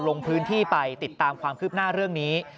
ลงพื้นที่ไปติดตามความคืบหน้าเรื่องนี้